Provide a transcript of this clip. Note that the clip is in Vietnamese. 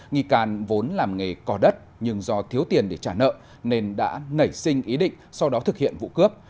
nghi can vốn làm nghề cò đất nhưng do thiếu tiền để trả nợ nên đã nảy sinh ý định sau đó thực hiện vụ cướp